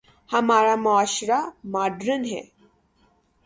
ہمارا معاشرہ ماڈرن ہے۔